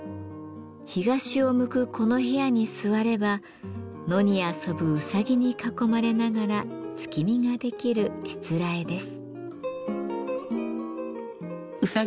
東を向くこの部屋に座れば野に遊ぶうさぎに囲まれながら月見ができるしつらえです。